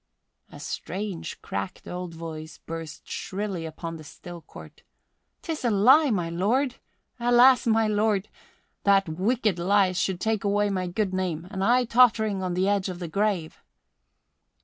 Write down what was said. A strange, cracked old voice burst shrilly upon the still court. "'Tis a lie, my lord! Alas, my lord, that wicked lies should take away my good name, and I tottering on the edge of the grave!"